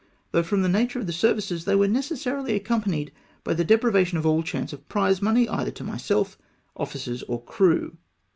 though from the nature of the services they were necessarily accompanied by the de privation of all chance of prize money, either to myself, officers, or crew.